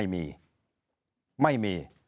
ไม่มี